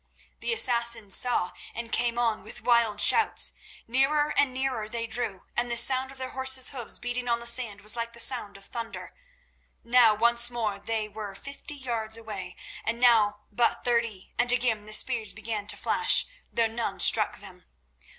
The Assassins saw, and came on with wild shouts. Nearer and nearer they drew, and the sound of their horses' hoofs beating on the sand was like the sound of thunder. Now once more they were fifty yards away, and now but thirty, and again the spears began to flash, though none struck them.